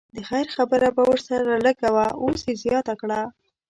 د خیر خبره به ورسره لږه وه اوس یې زیاته کړه.